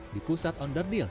di pusat onderdil